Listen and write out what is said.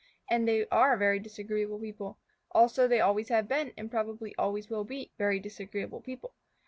And they are very disagreeable people. Also, they always have been, and probably always will be, very disagreeable people.